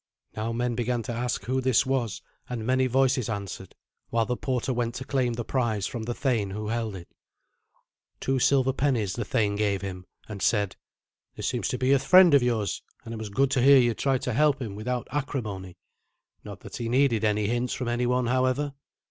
Now men began to ask who this was, and many voices answered, while the porter went to claim the prize from the thane who held it. Two silver pennies the thane gave him, and said, "This seems to be a friend of yours, and it was good to hear you try to help him without acrimony. Not that he needed any hints from any one, however.